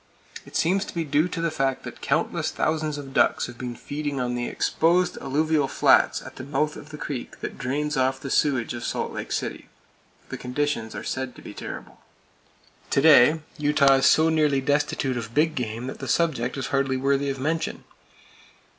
It seems to be due to the fact that countless thousands of ducks have been feeding on the exposed alluvial flats at the mouth of the creek that drains off the sewage of Salt Lake City. The conditions are said to be terrible. To day, Utah is so nearly destitute of big game that the subject is hardly worthy of mention.